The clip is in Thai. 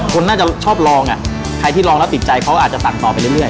คนน่าจะชอบลองอ่ะใครที่ลองแล้วติดใจเขาอาจจะสั่งต่อไปเรื่อย